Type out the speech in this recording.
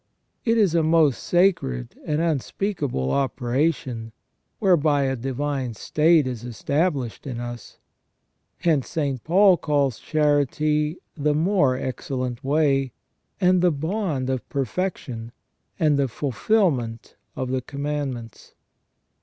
It is a most sacred and unspeakable operation, whereby a divine state is established in us. Hence St. Paul calls charity "the more excellent way," and "the bond of perfection," and "the fulfil ment of the commandments".